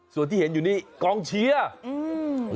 ส่วนที่เห็นอยู่นี่กองเชียร์อืม